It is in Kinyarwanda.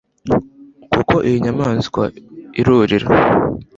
kuko iyi nyamaswa uririra